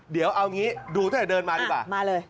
เดี๋ยวเอาอย่างนี้ดูเถอะเดินมาดีป่ะมาเลย